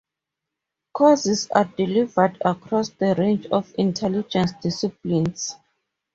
Courses are delivered across the range of Intelligence disciplines.